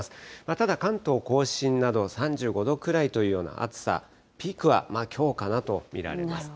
ただ、関東甲信など、３５度くらいというような暑さ、ピークはきょうかなと見られます。